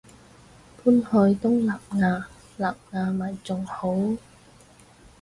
搬去東南亞南亞咪仲好